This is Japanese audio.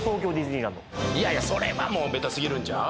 いやいやそれはもうベタすぎるんちゃう？